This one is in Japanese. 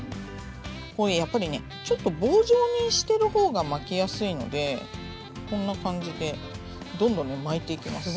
これやっぱりねちょっと棒状にしてる方が巻きやすいのでこんな感じでどんどん巻いていきます。